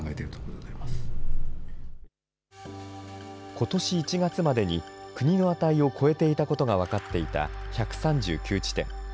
ことし１月までに国の値を超えていたことが分かっていた１３９地点。